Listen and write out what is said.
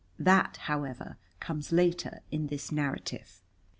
That, however, comes later in this narrative.